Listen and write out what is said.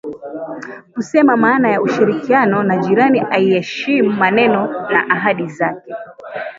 kusema maana ya ushirikiano na jirani aiyeheshimu maneno na ahadi zake